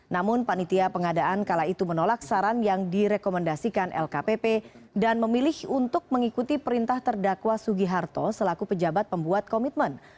namun panitia pengadaan kala itu menolak saran yang direkomendasikan lkpp dan memilih untuk mengikuti perintah terdakwa sugiharto selaku pejabat pembuat komitmen